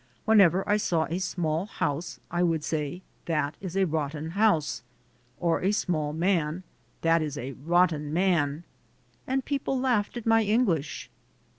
Whenever I saw a small house, I would say: "That is a rotten house," or a small man, "That is a rotten man." And people laughed at my English